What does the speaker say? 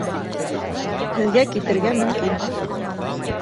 — Һеҙгә китергә мөмкин.